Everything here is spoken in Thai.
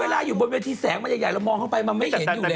เวลาอยู่บนเวย์ที่แสงมันใหญ่มันมองเข้าไปไม่เห็นอยู่แล้ว